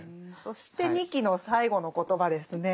そして仁木の最後の言葉ですね。